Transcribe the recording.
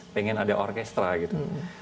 pengen ada orkestra gitu